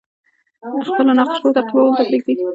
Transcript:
خپلو نقشو تعقیبولو ته پریږدي.